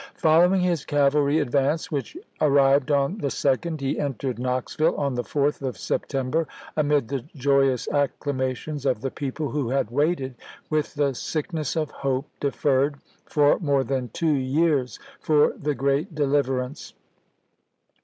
Following his cavahy advance which arrived on the 2d, he entered Knoxville on the 4th of Septem ber, amid the joyous acclamations of the people who had waited, with the sickness of hope deferred, for more than two years for the great deliverance.